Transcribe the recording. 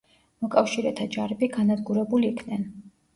მოკავშირეთა ჯარები განადგურებულ იქნენ.